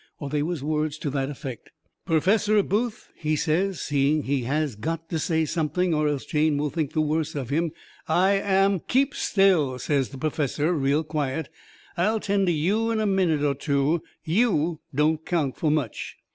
Or they was words to that effect. "Professor Booth," he says, seeing he has got to say something or else Jane will think the worse of him, "I am " "Keep still," says the perfessor, real quiet. "I'll tend to you in a minute or two. YOU don't count for much.